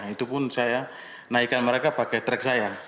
itu pun saya naikkan mereka pakai trek saya